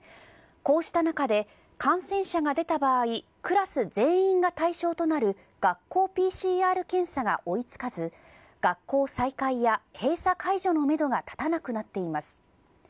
こうした中で、感染者が出た場合、クラス全員が対象となる学校ＰＣＲ検査が追いつかず、学校再開や閉鎖解除のメドが立たなくなっています。